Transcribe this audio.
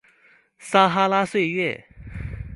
撒哈拉歲月